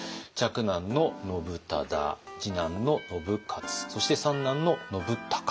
嫡男の信忠次男の信雄そして三男の信孝と。